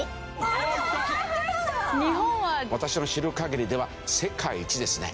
私の知る限りでは世界一ですね。